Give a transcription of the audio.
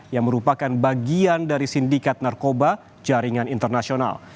yang merupakan bagian dari sindikat narkoba jaringan internasional